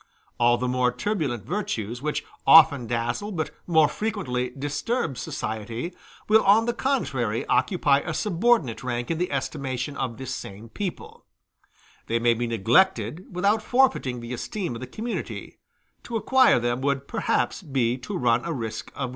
All the more turbulent virtues, which often dazzle, but more frequently disturb society, will on the contrary occupy a subordinate rank in the estimation of this same people: they may be neglected without forfeiting the esteem of the community to acquire them would perhaps be to run a risk of losing it.